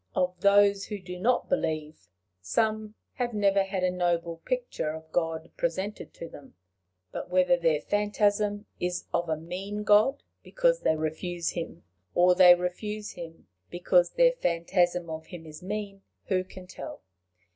Of those who do not believe, some have never had a noble picture of God presented to them; but whether their phantasm is of a mean God because they refuse him, or they refuse him because their phantasm of him is mean, who can tell?